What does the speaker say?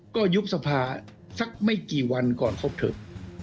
ก็ยุบสภาสักไม่กี่วันก่อนครบเถอะ